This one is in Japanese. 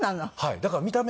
だから見た目